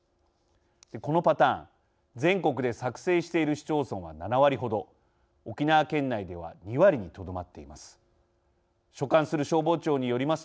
このパターン全国で作成している市町村は７割程、沖縄県内では２割にとどまっています。